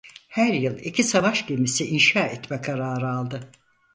Her yıl iki savaş gemisi inşa etme kararı aldı.